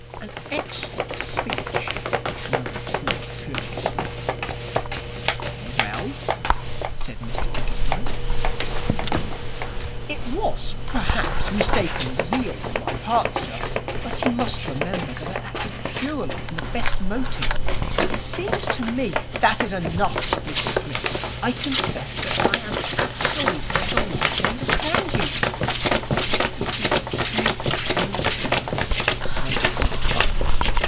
'An excellent speech,' murmured Psmith courteously. 'Well?' said Mr Bickersdyke. 'It was, perhaps, mistaken zeal on my part, sir, but you must remember that I acted purely from the best motives. It seemed to me ' 'That is enough, Mr Smith. I confess that I am absolutely at a loss to understand you ' 'It is too true, sir,' sighed Psmith.